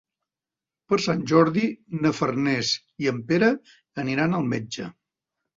Per Sant Jordi na Farners i en Pere aniran al metge.